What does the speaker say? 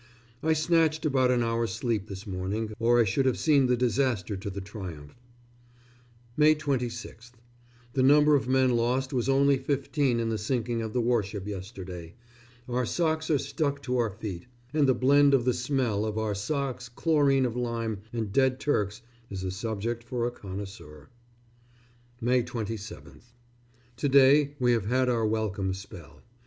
I snatched about an hour's sleep this morning, or I should have seen the disaster to the Triumph.... May 26th. The number of men lost was only fifteen in the sinking of the warship yesterday.... Our socks are stuck to our feet, and the blend of the smell of our socks, chloride of lime, and dead Turks is a subject for a connoisseur.... May 27th. To day we have had our welcome spell.